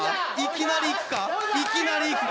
いきなりいくか？